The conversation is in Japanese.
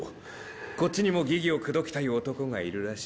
こっちにもギギを口説きたい男がいるらしい。